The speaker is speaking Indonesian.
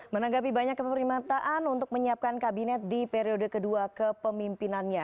menanggapi banyak keperimataan untuk menyiapkan kabinet di periode kedua kepemimpinannya